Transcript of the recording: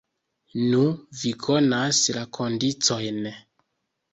Nu, vi konas la kondiĉojn.